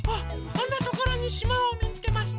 あんなところにしまをみつけました。